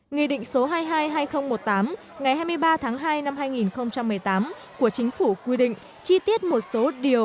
nghị định số hai mươi hai hai nghìn một mươi tám ngày hai mươi ba tháng hai năm hai nghìn một mươi tám của chính phủ quy định chi tiết một số điều